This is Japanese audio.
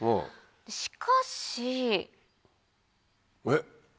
しかし。えっ！